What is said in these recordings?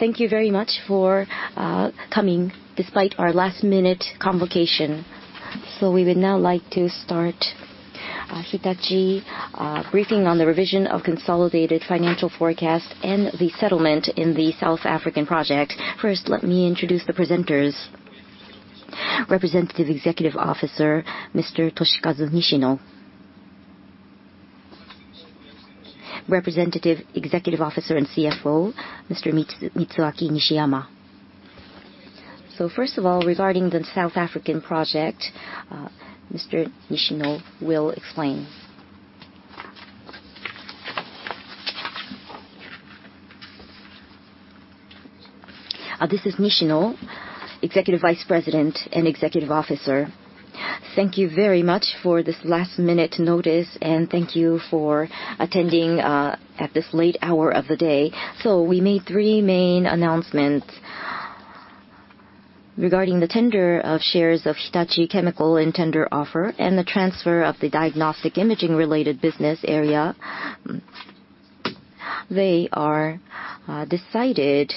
Thank you very much for coming despite our last-minute convocation. We would now like to start Hitachi briefing on the revision of consolidated financial forecast and the settlement in the South African project. First, let me introduce the presenters. Representative Executive Officer, Mr. Toshikazu Nishino. Representative Executive Officer and CFO, Mr. Mitsuaki Nishiyama. First of all, regarding the South African project, Mr. Nishino will explain. This is Nishino, Executive Vice President and Executive Officer. Thank you very much for this last-minute notice, and thank you for attending at this late hour of the day. We made three main announcements regarding the tender of shares of Hitachi Chemical and tender offer, and the transfer of the diagnostic imaging related business area. They are decided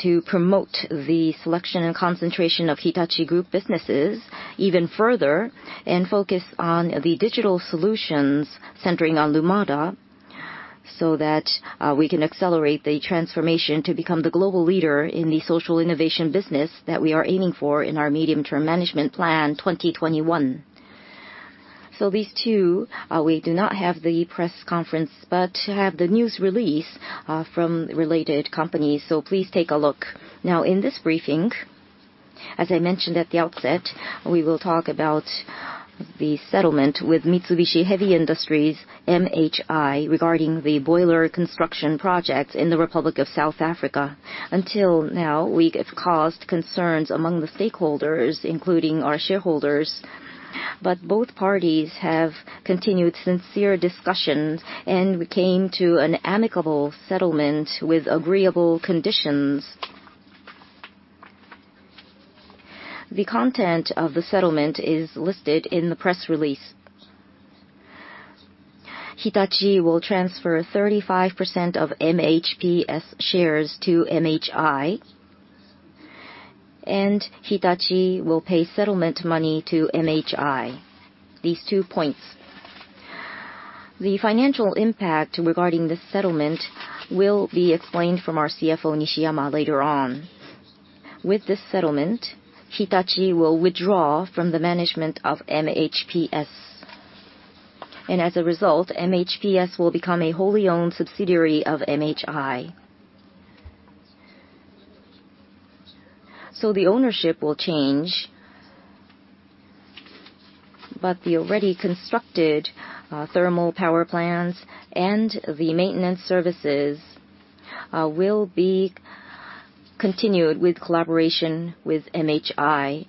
to promote the selection and concentration of Hitachi Group businesses even further and focus on the digital solutions centering on Lumada so that we can accelerate the transformation to become the global leader in the social innovation business that we are aiming for in our Mid-term Management Plan 2021. These two, we do not have the press conference, but have the news release from related companies. Please take a look. Now in this briefing, as I mentioned at the outset, we will talk about the settlement with Mitsubishi Heavy Industries, MHI, regarding the boiler construction projects in the Republic of South Africa. Until now, we have caused concerns among the stakeholders, including our shareholders, but both parties have continued sincere discussions, and we came to an amicable settlement with agreeable conditions. The content of the settlement is listed in the press release. Hitachi will transfer 35% of MHPS shares to MHI, and Hitachi will pay settlement money to MHI. These two points. The financial impact regarding this settlement will be explained from our CFO, Nishiyama, later on. With this settlement, Hitachi will withdraw from the management of MHPS, and as a result, MHPS will become a wholly owned subsidiary of MHI. The ownership will change, but the already constructed thermal power plants and the maintenance services will be continued with collaboration with MHI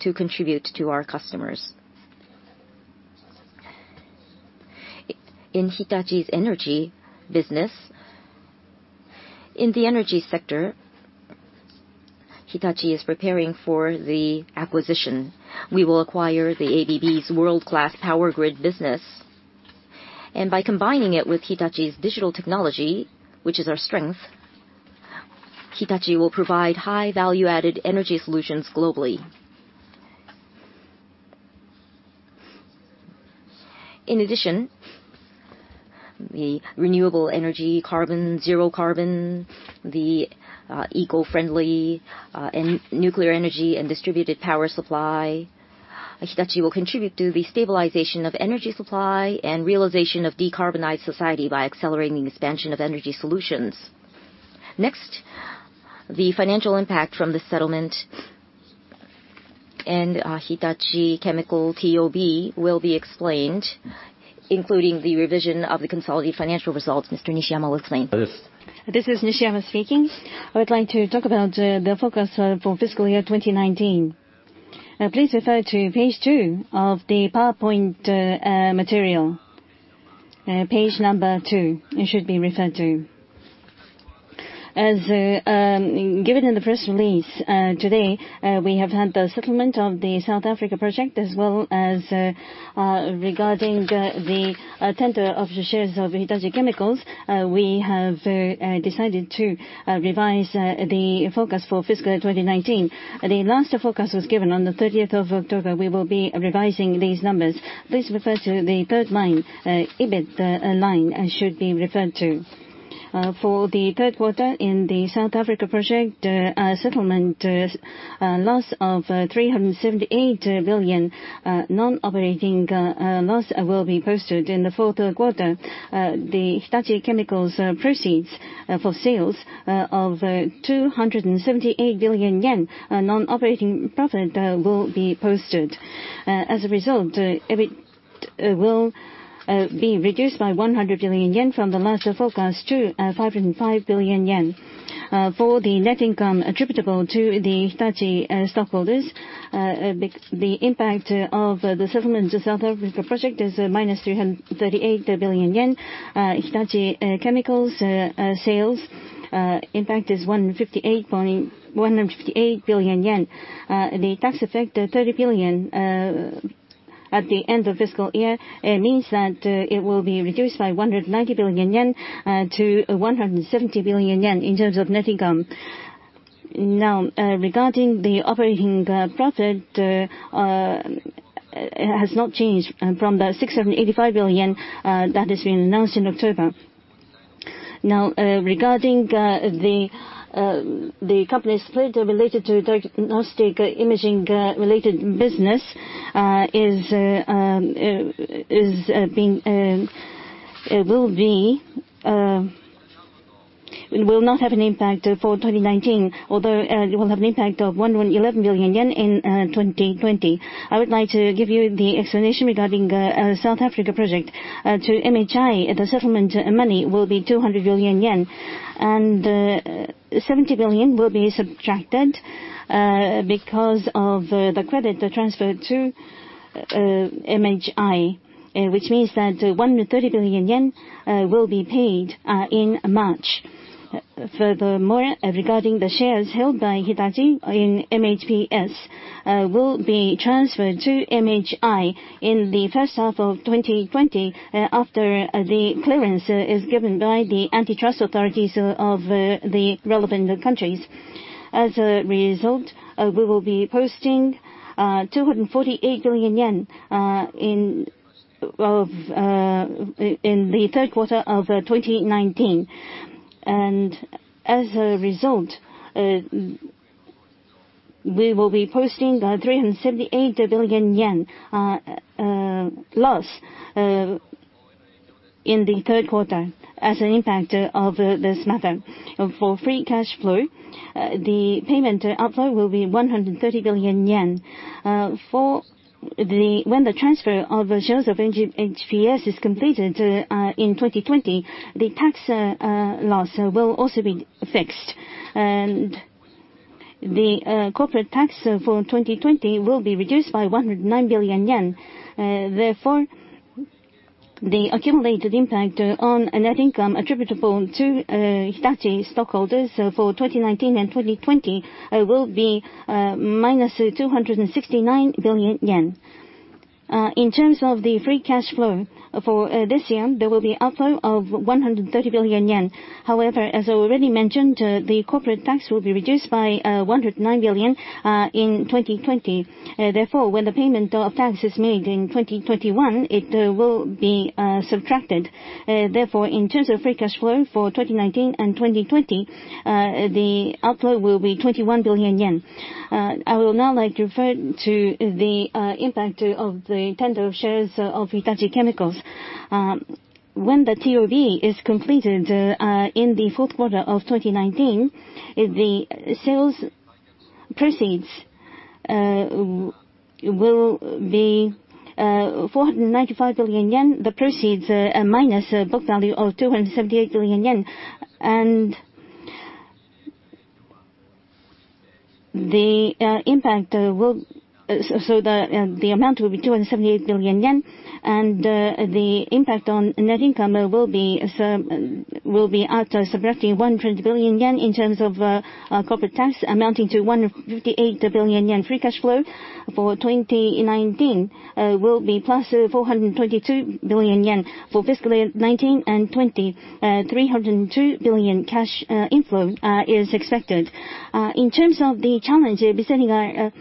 to contribute to our customers. In Hitachi's energy business, in the energy sector, Hitachi is preparing for the acquisition. We will acquire the ABB's world-class power grid business, and by combining it with Hitachi's digital technology, which is our strength, Hitachi will provide high value-added energy solutions globally. In addition, the renewable energy, carbon, zero carbon, the eco-friendly, and nuclear energy and distributed power supply, Hitachi will contribute to the stabilization of energy supply and realization of decarbonized society by accelerating expansion of energy solutions. Next, the financial impact from the settlement and Hitachi Chemical TOB will be explained, including the revision of the consolidated financial results. Mr. Nishiyama will explain. This is Nishiyama speaking. I would like to talk about the forecast for fiscal year 2019. Please refer to page two of the PowerPoint material. Page number two it should be referred to. As given in the press release today, we have had the settlement of the South Africa project as well as regarding the tender of the shares of Hitachi Chemicals. We have decided to revise the forecast for fiscal 2019. The last forecast was given on the 30th of October. We will be revising these numbers. Please refer to the third line, EBIT line should be referred to. For the third quarter in the South Africa project settlement, a loss of 378 billion non-operating loss will be posted in the fourth quarter. The Hitachi Chemicals proceeds for sales of 278 billion yen non-operating profit will be posted. EBIT will be reduced by 100 billion yen from the last forecast to 505 billion yen. For the net income attributable to the Hitachi stockholders, the impact of the settlement of South Africa project is minus 338 billion yen. Hitachi Chemicals sales impact is 158 billion yen. The tax effect, 30 billion. At the end of fiscal year, it means that it will be reduced by 190 billion yen to 170 billion yen in terms of net income. Regarding the operating profit, it has not changed from the 685 billion that has been announced in October. Regarding the company split related to diagnostic imaging related business, it will not have an impact for 2019, although it will have an impact of 111 billion yen in 2020. I would like to give you the explanation regarding South Africa project. To MHI, the settlement money will be 200 billion yen. 70 billion will be subtracted because of the credit transfer to MHI, which means that 130 billion yen will be paid in March. Regarding the shares held by Hitachi in MHPS, will be transferred to MHI in the first half of 2020, after the clearance is given by the antitrust authorities of the relevant countries. We will be posting 248 billion yen in the third quarter of 2019. We will be posting 378 billion yen loss in the third quarter as an impact of this matter. For free cash flow, the payment outflow will be 130 billion yen. When the transfer of shares of MHPS is completed in 2020, the tax loss will also be fixed. The corporate tax for 2020 will be reduced by 109 billion yen. The accumulated impact on net income attributable to Hitachi stockholders for 2019 and 2020 will be minus 269 billion yen. In terms of the free cash flow for this year, there will be outflow of 130 billion yen. As already mentioned, the corporate tax will be reduced by 109 billion in 2020. When the payment of tax is made in 2021, it will be subtracted. In terms of free cash flow for 2019 and 2020, the outflow will be 21 billion yen. I would now like to refer to the impact of the tender of shares of Hitachi Chemicals. When the TOB is completed in the fourth quarter of 2019, the sales proceeds will be 495 billion yen. The proceeds minus book value of 278 billion yen. The amount will be 278 billion yen, and the impact on net income will be after subtracting 100 billion yen in terms of corporate tax, amounting to 158 billion yen. Free cash flow for 2019 will be +422 billion yen. For fiscal year 2019 and 2020, 302 billion cash inflow is expected. In terms of the challenge besetting our company,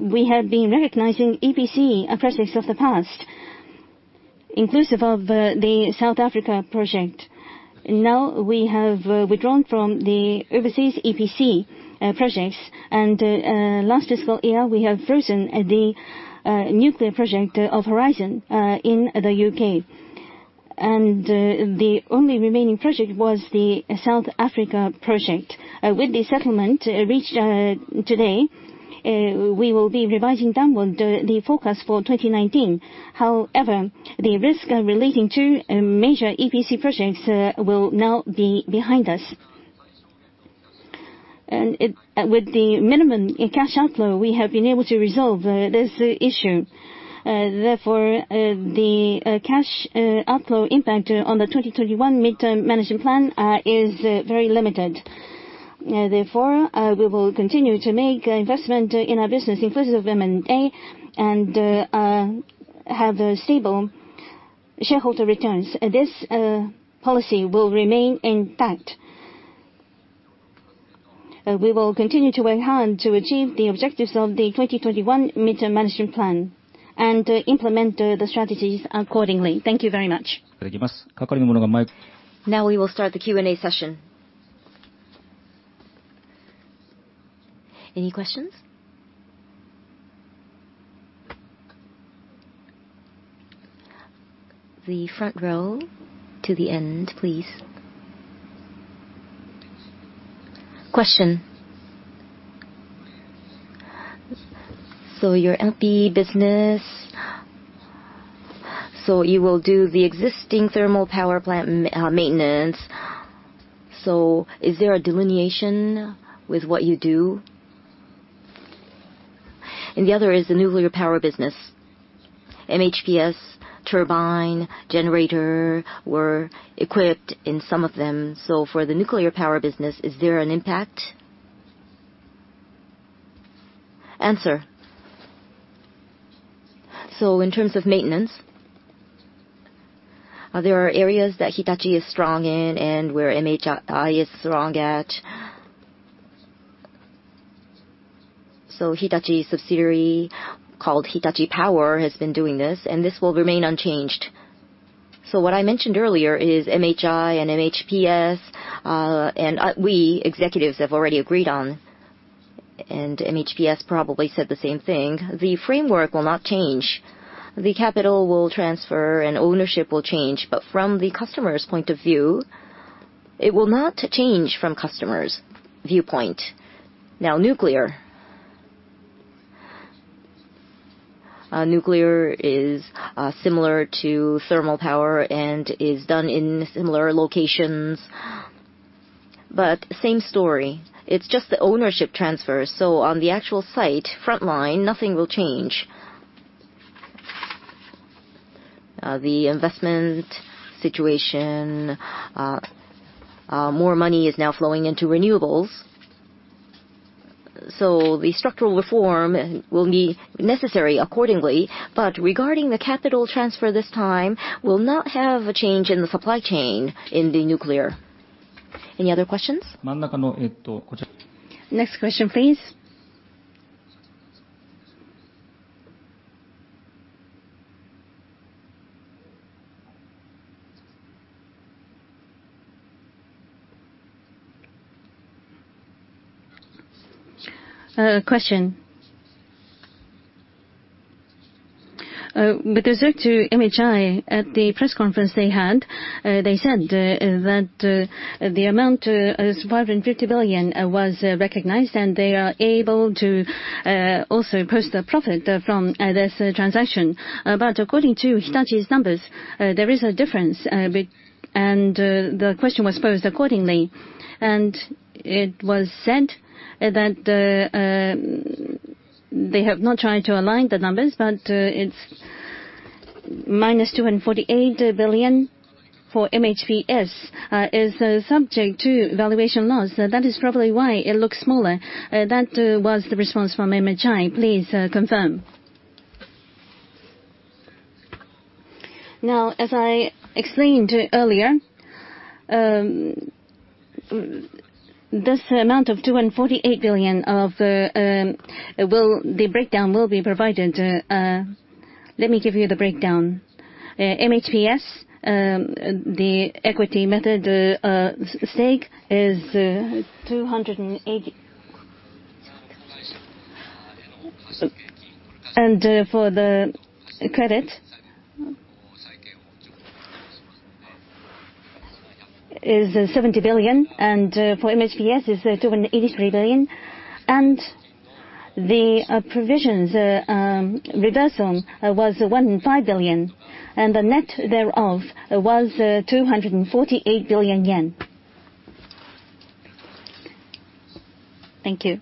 we have been recognizing EPC projects of the past, inclusive of the South Africa project. Now, we have withdrawn from the overseas EPC projects, and last fiscal year, we have frozen the nuclear project of Horizon in the U.K. The only remaining project was the South Africa project. With the settlement reached today, we will be revising downward the forecast for 2019. However, the risk relating to major EPC projects will now be behind us. With the minimum cash outflow, we have been able to resolve this issue. Therefore, the cash outflow impact on the 2021 Mid-term Management Plan is very limited. Therefore, we will continue to make investment in our business inclusive of M&A, and have stable shareholder returns. This policy will remain intact. We will continue to work hard to achieve the objectives of the 2021 Mid-term Management Plan and implement the strategies accordingly. Thank you very much. Now we will start the Q&A session. Any questions? The front row to the end, please. Question. Your MHPS business, you will do the existing thermal power plant maintenance. Is there a delineation with what you do? The other is the nuclear power business. MHPS turbine generator were equipped in some of them. For the nuclear power business, is there an impact? Answer. In terms of maintenance, there are areas that Hitachi is strong in and where MHI is strong at. Hitachi's subsidiary, called Hitachi Power, has been doing this, and this will remain unchanged. What I mentioned earlier is MHI and MHPS, and we executives have already agreed on, and MHPS probably said the same thing, the framework will not change. Now, nuclear. Nuclear is similar to thermal power and is done in similar locations, but same story. It is just the ownership transfer. On the actual site, front line, nothing will change. The investment situation, more money is now flowing into renewables. The structural reform will be necessary accordingly. Regarding the capital transfer this time, will not have a change in the supply chain in the nuclear. Any other questions? Next question, please. Question. With respect to MHI, at the press conference they had, they said that the amount, 550 billion, was recognized, and they are able to also post a profit from this transaction. According to Hitachi's numbers, there is a difference. The question was posed accordingly, and it was said that they have not tried to align the numbers, but it's minus 248 billion for MHPS is subject to valuation loss. That is probably why it looks smaller. That was the response from MHI. Please confirm. As I explained earlier, this amount of 248 billion, the breakdown will be provided. Let me give you the breakdown. MHPS, the equity method stake is 280 billion. For the credit is 70 billion, for MHPS is 283 billion. The provisions reversal was 1.5 billion, the net thereof was 248 billion yen. Thank you.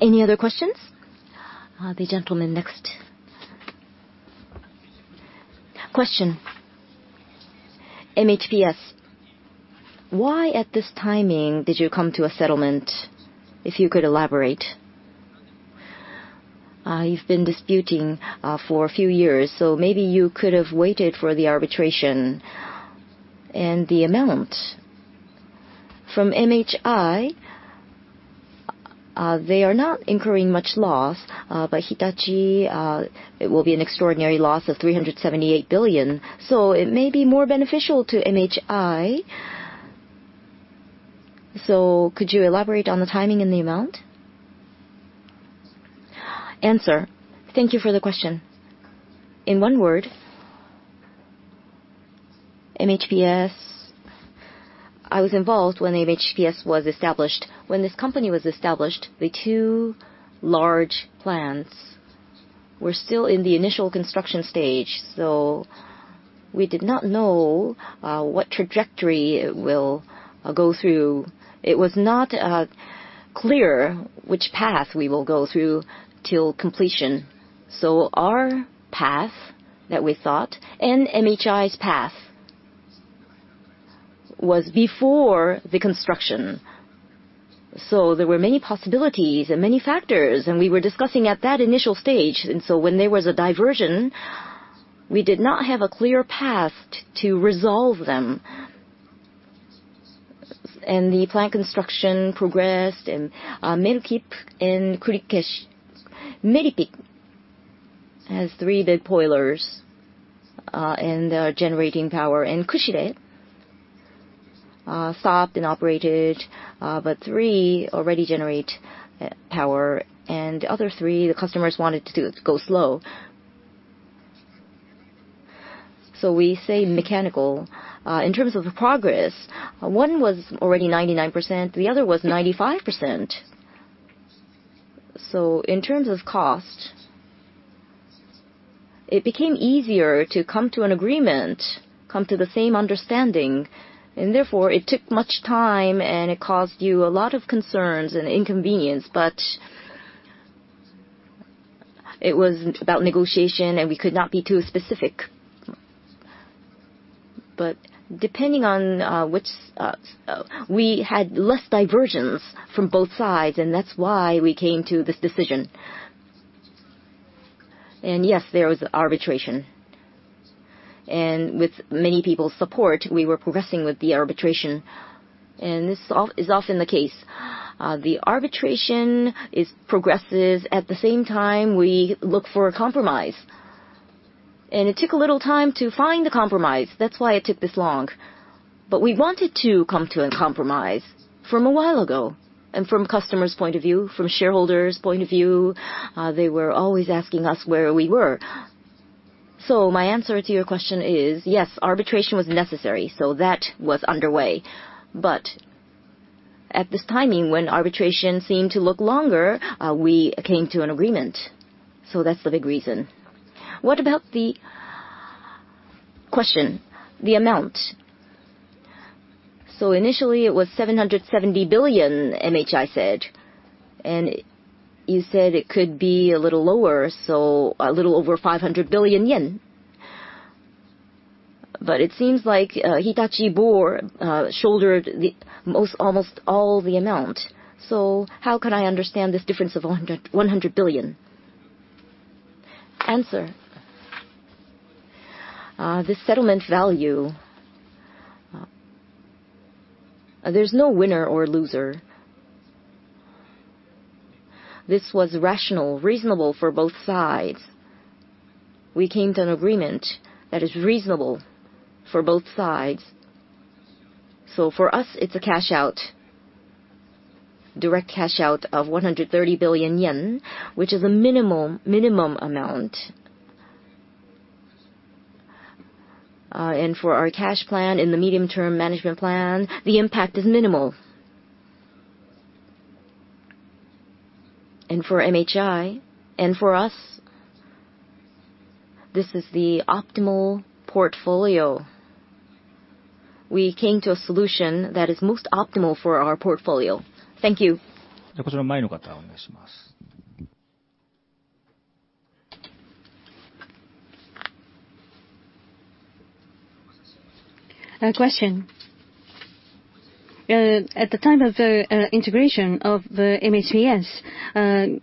Any other questions? The gentleman next. Question. MHPS, why at this timing did you come to a settlement, if you could elaborate? You've been disputing for a few years, so maybe you could have waited for the arbitration. The amount from MHI, they are not incurring much loss. Hitachi, it will be an extraordinary loss of 378 billion, so it may be more beneficial to MHI. Could you elaborate on the timing and the amount? Answer. Thank you for the question. In one word, MHPS, I was involved when MHPS was established. When this company was established, the two large plants were still in the initial construction stage, so we did not know what trajectory it will go through. It was not clear which path we will go through till completion. Our path that we thought and MHI's path was before the construction. There were many possibilities and many factors, we were discussing at that initial stage. When there was a diversion, we did not have a clear path to resolve them. The plant construction progressed in Medupi and Kusile. Medupi has three big boilers, and they are generating power. Kusile stopped and operated, but three already generate power, and the other three, the customers wanted to go slow. We say mechanical. In terms of the progress, one was already 99%, the other was 95%. In terms of cost, it became easier to come to an agreement, come to the same understanding, therefore it took much time, it caused you a lot of concerns and inconvenience, but it was about negotiation, and we could not be too specific. We had less diversions from both sides, and that's why we came to this decision. Yes, there was arbitration. With many people's support, we were progressing with the arbitration. This is often the case. The arbitration is progressive. At the same time, we look for a compromise. It took a little time to find the compromise. That's why it took this long. We wanted to come to a compromise from a while ago. From customers' point of view, from shareholders' point of view, they were always asking us where we were. My answer to your question is, yes, arbitration was necessary, so that was underway. At this timing, when arbitration seemed to look longer, we came to an agreement. That's the big reason. What about the question, the amount? Initially it was 770 billion, MHI said, you said it could be a little lower, a little over 500 billion yen. It seems like Hitachi bore, shouldered almost all the amount. How can I understand this difference of 100 billion? Answer. The settlement value, there's no winner or loser. This was rational, reasonable for both sides. We came to an agreement that is reasonable for both sides. For us, it's a cash out, direct cash out of 130 billion yen, which is a minimum amount. For our cash plan in the medium-term management plan, the impact is minimal. For MHI, for us, this is the optimal portfolio. We came to a solution that is most optimal for our portfolio. Thank you. Question. At the time of the integration of the MHPS,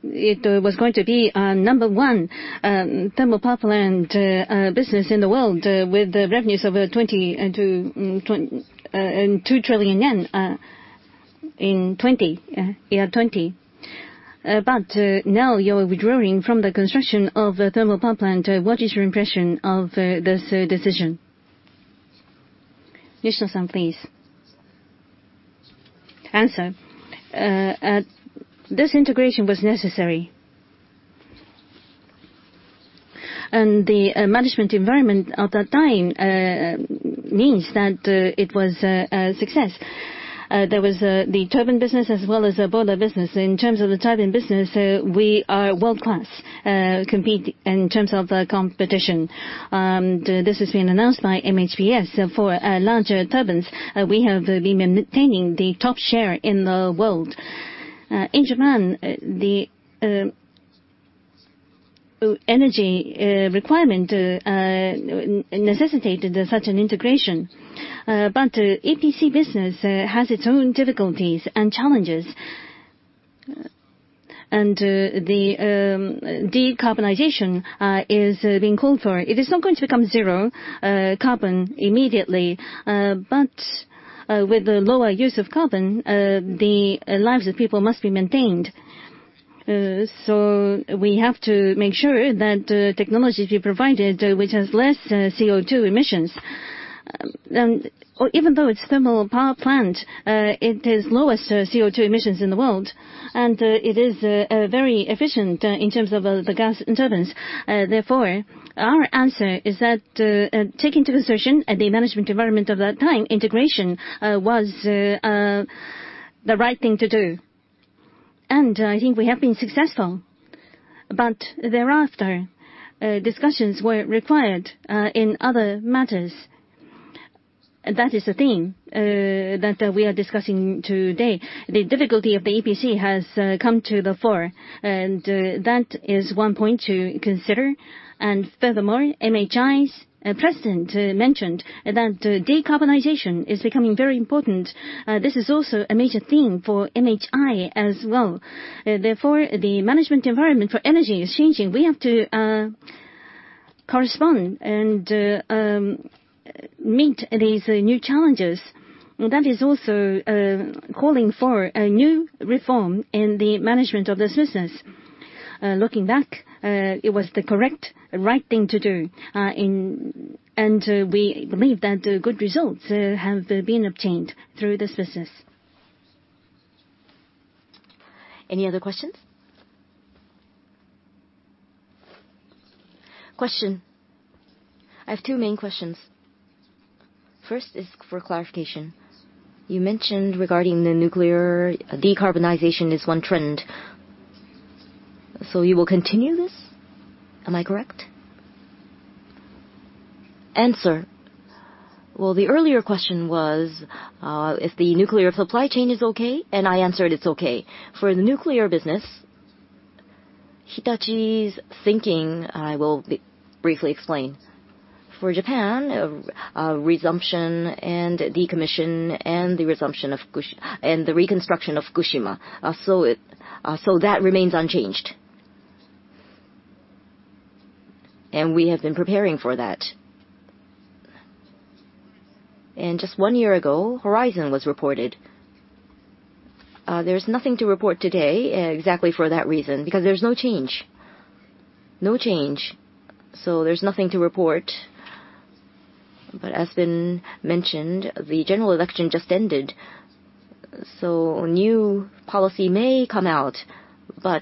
it was going to be a number one thermal power plant business in the world with the revenues of 2 trillion yen in year 2020. Now you're withdrawing from the construction of the thermal power plant. What is your impression of this decision? Nishino-san, please. Answer. This integration was necessary. The management environment at that time means that it was a success. There was the turbine business as well as the boiler business. In terms of the turbine business, we are world-class compete in terms of competition. This has been announced by MHPS for larger turbines. We have been maintaining the top share in the world. In Japan, the energy requirement necessitated such an integration. EPC business has its own difficulties and challenges. The decarbonization is being called for. It is not going to become zero carbon immediately. With the lower use of carbon, the lives of people must be maintained. We have to make sure that technology be provided which has less CO2 emissions. Even though it's thermal power plant, it has lowest CO2 emissions in the world, and it is very efficient in terms of the gas and turbines. Therefore, our answer is that taking into consideration the management environment of that time, integration was the right thing to do. I think we have been successful. Thereafter, discussions were required in other matters. That is the theme that we are discussing today. The difficulty of the EPC has come to the fore, and that is one point to consider. Furthermore, MHI's president mentioned that decarbonization is becoming very important. This is also a major theme for MHI as well. Therefore, the management environment for energy is changing. We have to correspond and meet these new challenges. That is also calling for a new reform in the management of this business. Looking back, it was the correct and right thing to do. We believe that good results have been obtained through this business. Any other questions? Question. I have two main questions. First is for clarification. You mentioned regarding the nuclear, decarbonization is one trend. You will continue this? Am I correct? Answer. Well, the earlier question was if the nuclear supply chain is okay, and I answered it's okay. For the nuclear business, Hitachi's thinking, I will briefly explain. For Japan, resumption and decommission, and the resumption and the reconstruction of Fukushima, so that remains unchanged. We have been preparing for that. Just one year ago, Horizon was reported. There's nothing to report today exactly for that reason, because there's no change. No change, so there's nothing to report. As been mentioned, the general election just ended, so a new policy may come out.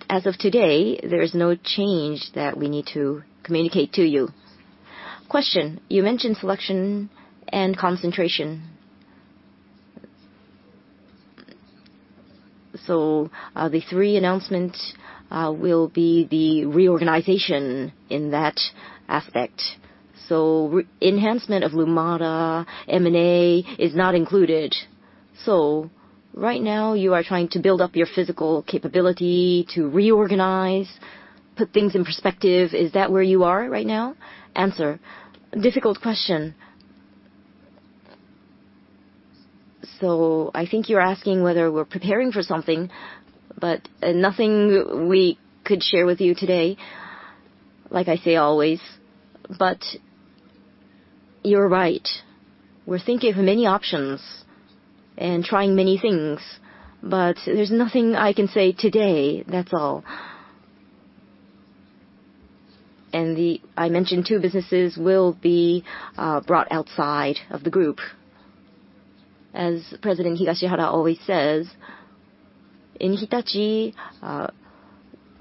As of today, there is no change that we need to communicate to you. Question. You mentioned selection and concentration. The three announcements will be the reorganization in that aspect. Enhancement of Lumada, M&A is not included. Right now you are trying to build up your physical capability to reorganize, put things in perspective. Is that where you are right now? Answer. Difficult question. I think you're asking whether we're preparing for something, nothing we could share with you today, like I say always. You're right, we're thinking of many options and trying many things, but there's nothing I can say today. That's all. I mentioned two businesses will be brought outside of the group. As President Higashihara always says, in Hitachi,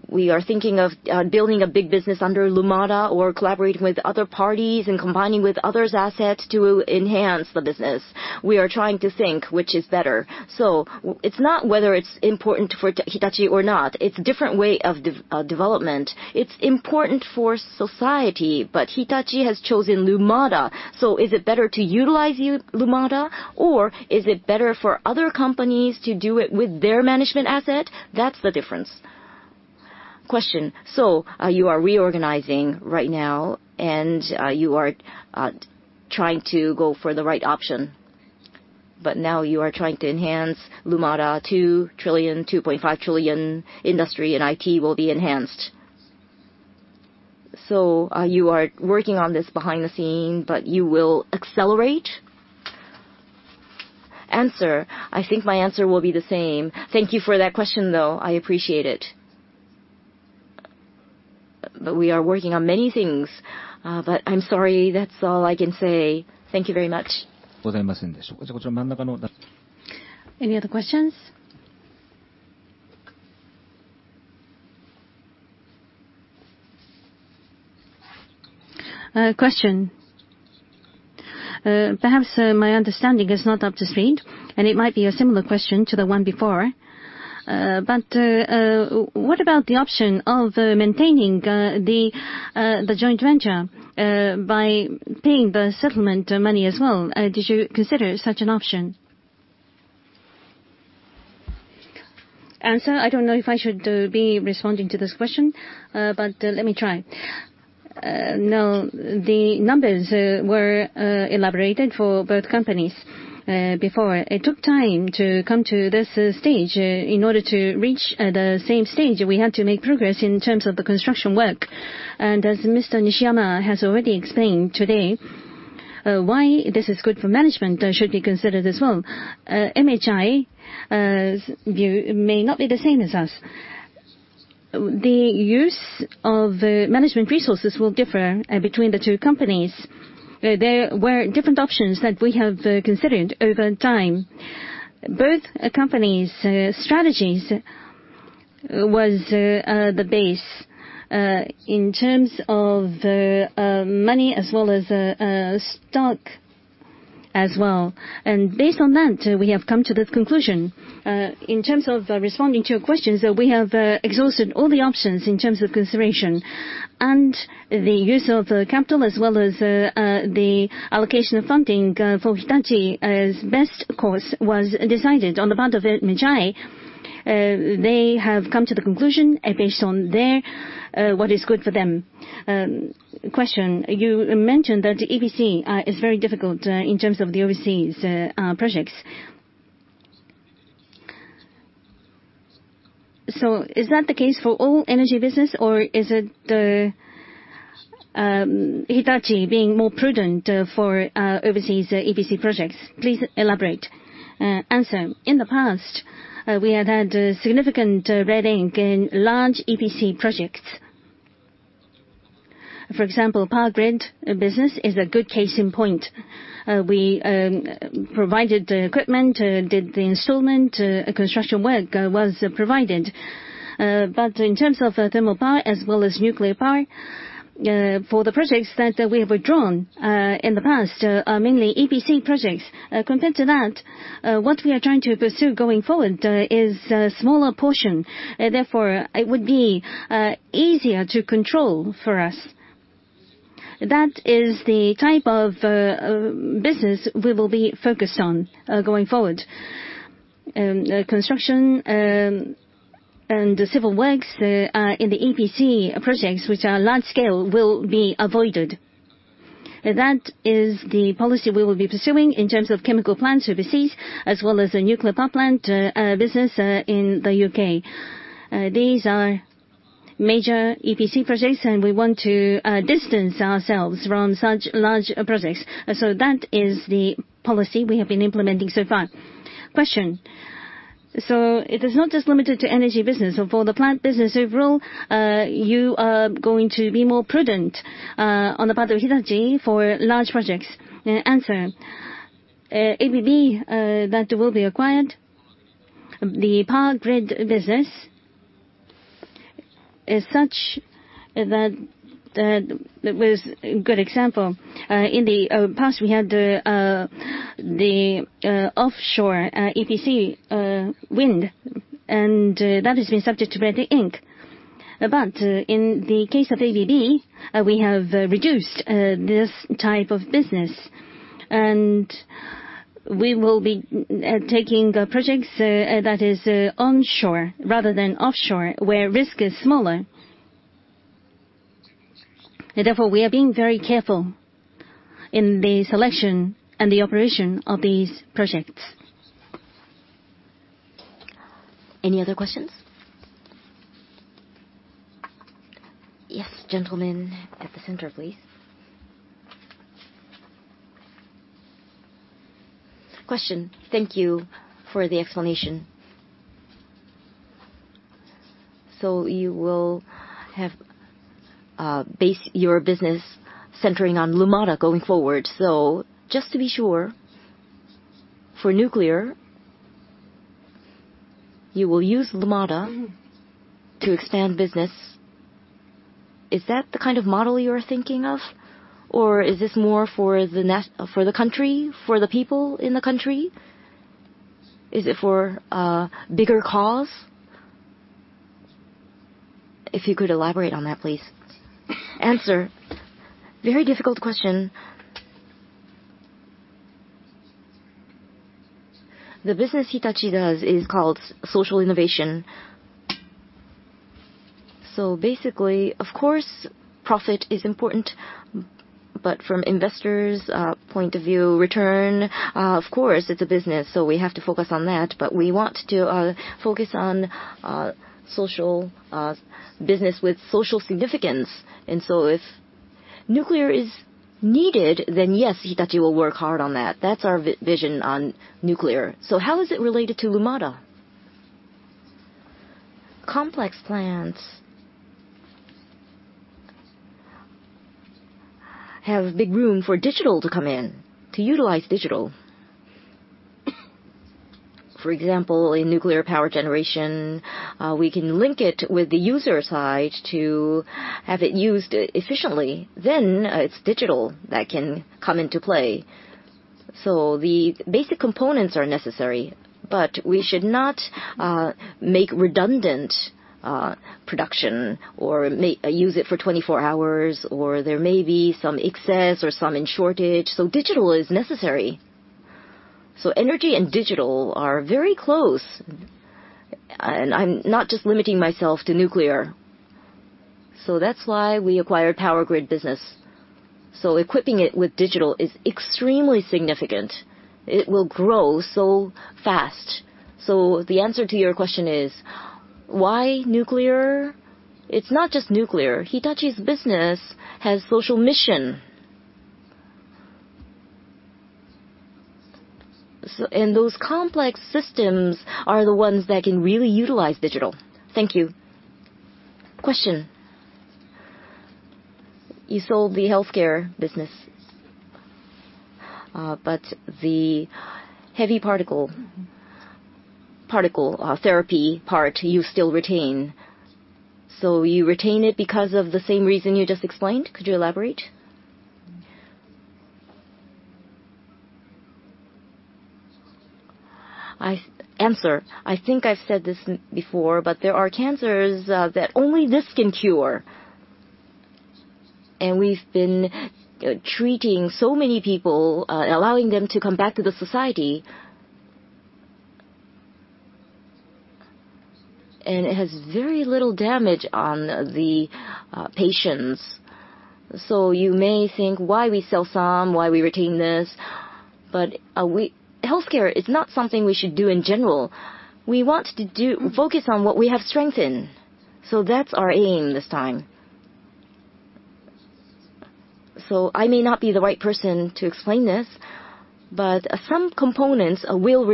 we are thinking of building a big business under Lumada or collaborating with other parties and combining with others' assets to enhance the business. We are trying to think which is better. It's not whether it's important for Hitachi or not. It's different way of development. It's important for society. Hitachi has chosen Lumada. Is it better to utilize Lumada, or is it better for other companies to do it with their management asset? That's the difference. Question. You are reorganizing right now, and you are trying to go for the right option. Now you are trying to enhance Lumada 2 trillion, 2.5 trillion industry in IT will be enhanced. You are working on this behind the scene, but you will accelerate? Answer. I think my answer will be the same. Thank you for that question, though. I appreciate it. We are working on many things. I'm sorry, that's all I can say. Thank you very much. Any other questions? Question. Perhaps my understanding is not up to speed, and it might be a similar question to the one before. What about the option of maintaining the joint venture by paying the settlement money as well? Did you consider such an option? Answer. I don't know if I should be responding to this question, but let me try. No, the numbers were elaborated for both companies before. It took time to come to this stage. In order to reach the same stage, we had to make progress in terms of the construction work. As Mr. Nishiyama has already explained today, why this is good for management should be considered as well. MHI's view may not be the same as us. The use of management resources will differ between the two companies. There were different options that we have considered over time. Both companies' strategies was the base in terms of money as well as stock as well. Based on that, we have come to this conclusion. In terms of responding to your questions, we have exhausted all the options in terms of consideration, and the use of capital as well as the allocation of funding for Hitachi's best course was decided. On the part of MHI, they have come to the conclusion based on their what is good for them. Question. You mentioned that EPC is very difficult in terms of the overseas projects. Is that the case for all energy business, or is it Hitachi being more prudent for overseas EPC projects? Please elaborate. Answer. In the past, we have had significant red ink in large EPC projects. For example, power grid business is a good case in point. We provided the equipment, did the installment, construction work was provided. In terms of thermal power, as well as nuclear power, for the projects that we have withdrawn in the past, are mainly EPC projects. Compared to that, what we are trying to pursue going forward is a smaller portion. Therefore, it would be easier to control for us. That is the type of business we will be focused on going forward. Construction and civil works in the EPC projects, which are large scale, will be avoided. That is the policy we will be pursuing in terms of chemical plants overseas, as well as the nuclear power plant business in the U.K. These are major EPC projects, and we want to distance ourselves from such large projects. That is the policy we have been implementing so far. Question. It is not just limited to energy business, for the plant business overall, you are going to be more prudent on the part of Hitachi for large projects? Answer. ABB, that will be acquired. The power grid business is such that was a good example. In the past we had the offshore EPC wind, and that has been subject to red ink. In the case of ABB, we have reduced this type of business, and we will be taking projects that is onshore rather than offshore, where risk is smaller. Therefore, we are being very careful in the selection and the operation of these projects. Any other questions? Yes, gentleman at the center, please. Question. Thank you for the explanation. You will have base your business centering on Lumada going forward. Just to be sure, for nuclear, you will use Lumada to expand business. Is that the kind of model you are thinking of, or is this more for the country, for the people in the country? Is it for a bigger cause? If you could elaborate on that, please. Answer. Very difficult question. The business Hitachi does is called social innovation. Basically, of course, profit is important, but from investors' point of view, return, of course, it is a business, so we have to focus on that, but we want to focus on business with social significance. If nuclear is needed, then yes, Hitachi will work hard on that. That is our vision on nuclear. How is it related to Lumada? Complex plans have big room for digital to come in, to utilize digital. For example, in nuclear power generation, we can link it with the user side to have it used efficiently. Then it is digital that can come into play. The basic components are necessary, but we should not make redundant production or use it for 24 hours, or there may be some excess or some in shortage. Digital is necessary. Energy and digital are very close. I'm not just limiting myself to nuclear. That's why we acquired power grid business. Equipping it with digital is extremely significant. It will grow so fast. The answer to your question is, why nuclear? It's not just nuclear. Hitachi's business has social mission. And those complex systems are the ones that can really utilize digital. Thank you. Question. You sold the healthcare business, but the heavy particle therapy part you still retain. You retain it because of the same reason you just explained? Could you elaborate? Answer. I think I've said this before, but there are cancers that only this can cure. We've been treating so many people, allowing them to come back to the society. It has very little damage on the patients. You may think why we sell some, why we retain this, but healthcare is not something we should do in general. We want to focus on what we have strength in. That's our aim this time. I may not be the right person to explain this, but some components will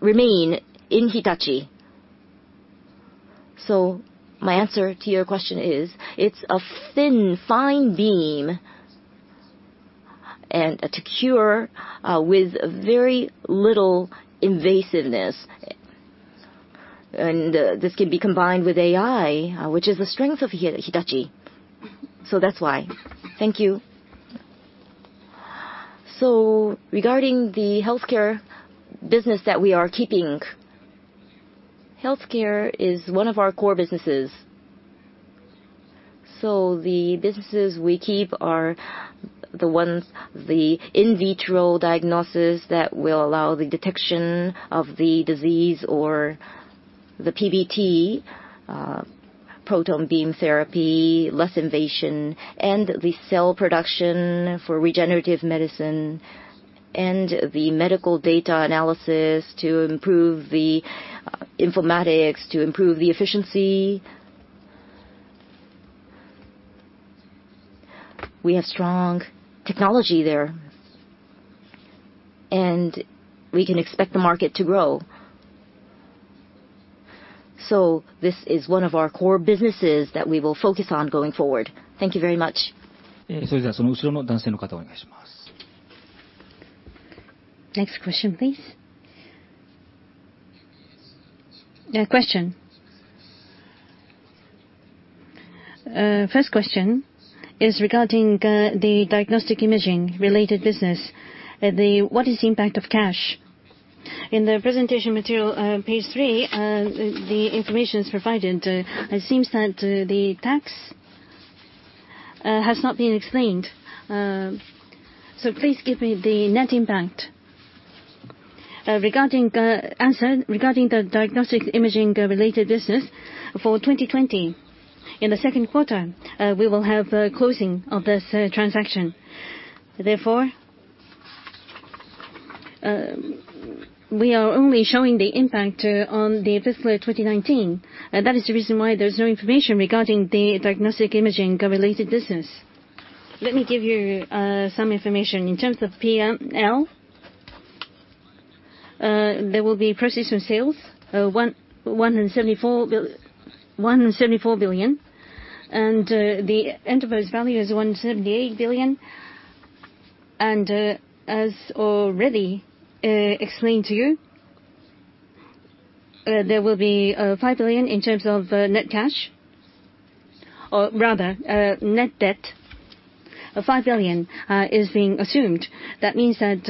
remain in Hitachi. My answer to your question is, it's a thin, fine beam to cure with very little invasiveness. This can be combined with AI, which is the strength of Hitachi. That's why. Thank you. Regarding the healthcare business that we are keeping, healthcare is one of our core businesses. The businesses we keep are the ones, the in vitro diagnosis that will allow the detection of the disease or the PBT, proton beam therapy, less invasion, the cell production for regenerative medicine, and the medical data analysis to improve the informatics, to improve the efficiency. We have strong technology there, and we can expect the market to grow. This is one of our core businesses that we will focus on going forward. Thank you very much. Next question, please. Question. First question is regarding the diagnostic imaging related business. What is the impact of cash? In the presentation material, page three the information is provided. It seems that the tax has not been explained. Please give me the net impact. Regarding the diagnostic imaging related business for 2020. In the second quarter, we will have closing of this transaction. We are only showing the impact on the fiscal year 2019. That is the reason why there's no information regarding the diagnostic imaging related business. Let me give you some information. In terms of PNL, there will be precision sales, 174 billion, and the enterprise value is 178 billion. As already explained to you, there will be 5 billion in terms of net cash, or rather net debt of 5 billion is being assumed. That means that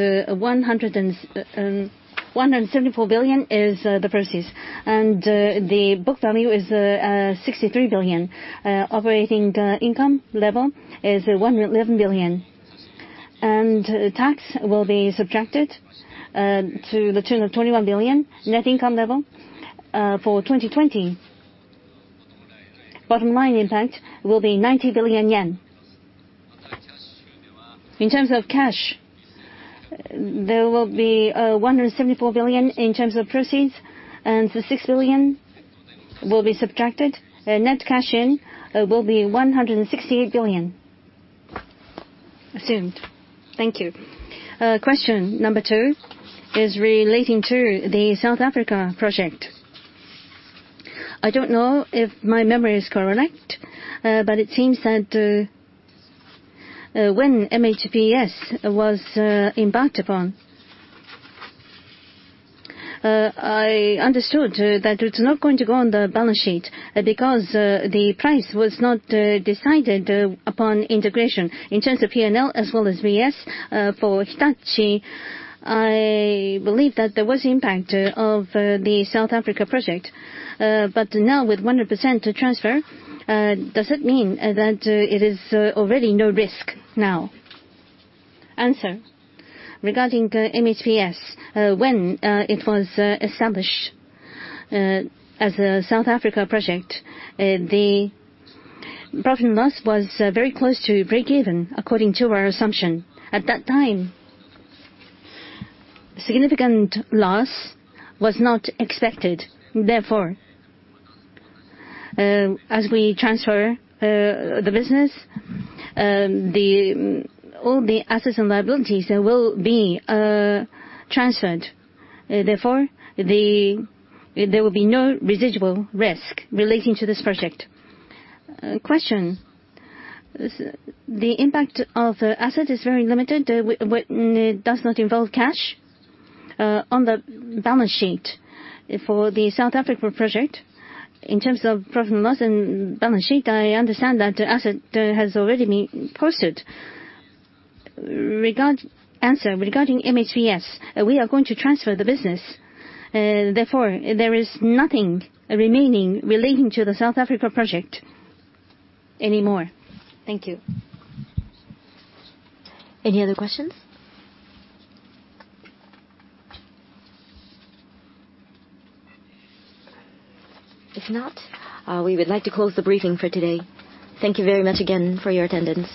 174 billion is the proceeds. The book value is 63 billion. Operating income level is 111 billion. Tax will be subtracted to the tune of 21 billion. Net income level, for 2020, bottom line impact will be 90 billion yen. In terms of cash, there will be 174 billion in terms of proceeds, and 6 billion will be subtracted. Net cash in will be 168 billion assumed. Thank you. Question number 2 is relating to the South Africa project. I don't know if my memory is correct, it seems that when MHPS was embarked upon, I understood that it's not going to go on the balance sheet because the price was not decided upon integration. In terms of P&L as well as BS, for Hitachi, I believe that there was impact of the South Africa project. Now with 100% transfer, does it mean that it is already no risk now? Answer. Regarding MHPS, when it was established as a South Africa project, the profit loss was very close to breakeven, according to our assumption. At that time, significant loss was not expected. As we transfer the business, all the assets and liabilities will be transferred. There will be no residual risk relating to this project. Question. The impact of asset is very limited when it does not involve cash on the balance sheet for the South Africa project. In terms of profit loss and balance sheet, I understand that asset has already been posted. Answer. Regarding MHPS, we are going to transfer the business. There is nothing remaining relating to the South Africa project anymore. Thank you. Any other questions? If not, we would like to close the briefing for today. Thank you very much again for your attendance.